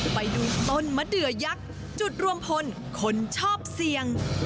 ไปดูต้นมะเดือยักษ์จุดรวมพลคนชอบเสี่ยง